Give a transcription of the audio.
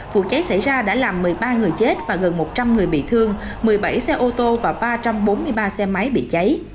vụ cháy xảy ra đã làm một mươi ba người chết và gần một trăm linh người bị thương một mươi bảy xe ô tô và ba trăm bốn mươi ba xe máy bị cháy